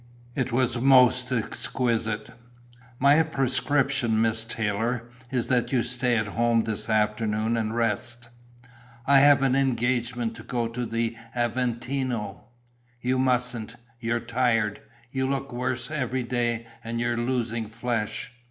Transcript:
It was most exquisite." "My prescription, Miss Taylor, is that you stay at home this afternoon and rest." "I have an engagement to go to the Aventino...." "You mustn't. You're tired. You look worse every day and you're losing flesh.